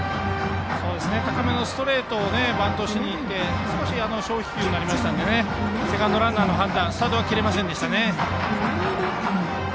高めのストレートをバントしにいって少し小飛球になりましたのでセカンドランナーの判断でスタートが切れませんでしたね。